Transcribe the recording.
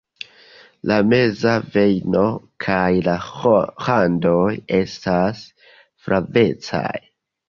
La meza vejno kaj la randoj estas flavecaj.